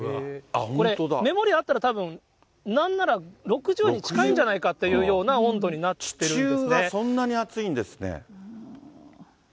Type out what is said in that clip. これ、目盛りあったらたぶん、なんなら６０度に近いんじゃないかっていうような温度になってるんですね。